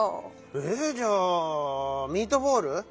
ええ⁉じゃあミートボール？